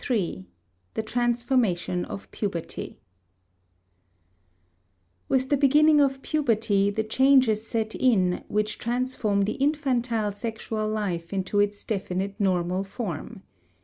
III THE TRANSFORMATION OF PUBERTY With the beginning of puberty the changes set in which transform the infantile sexual life into its definite normal form.